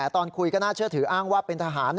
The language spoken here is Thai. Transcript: ตอนคุยก็น่าเชื่อถืออ้างว่าเป็นทหาร